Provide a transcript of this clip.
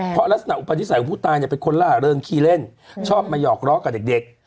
เพราะลักษณะอุปนิสัยของผู้ตายเนี่ยเป็นคนล่าเริงขี้เล่นชอบมาหยอกล้อกับเด็ก